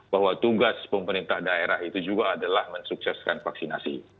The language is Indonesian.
bahwa tugas pemerintah daerah itu juga adalah mensukseskan vaksinasi